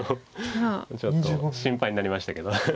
ちょっと心配になりましたけど。